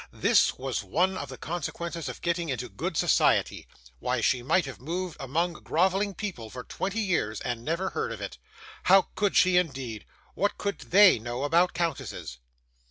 This was one of the consequences of getting into good society. Why, she might have moved among grovelling people for twenty years, and never heard of it. How could she, indeed? what did THEY know about countesses?